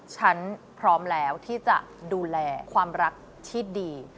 ฉันพร้อมแล้วที่จะดูแลความรักที่ดี